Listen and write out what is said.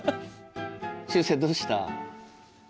しゅうせいどうした？